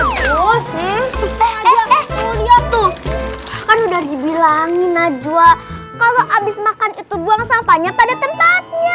tuh kan udah dibilangin ajwa kalau abis makan itu buang sampahnya pada tempatnya